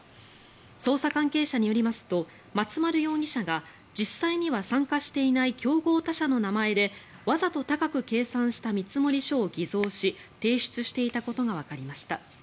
捜査関係者によりますと松丸容疑者が実際には参加していない競合他社の名前でわざと高く計算した見積書を偽造し提出していたことがわかりました。